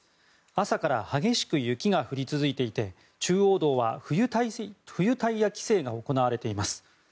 朝から激しく雪が降り続いていて中央道は冬タイヤ規制が行われています。